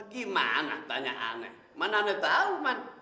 gimana tanya aneh mana aneh tau man